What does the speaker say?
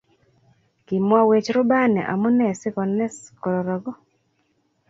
kimwowech rubani omu nee sikones kororoku